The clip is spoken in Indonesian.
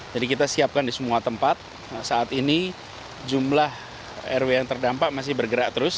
jadi kita siapkan di semua tempat saat ini jumlah rw yang terdampak masih bergerak terus